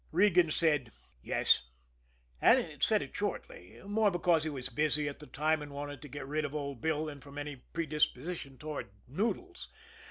Regan said, "Yes," and said it shortly, more because he was busy at the time and wanted to get rid of Old Bill than from any predisposition toward Noodles.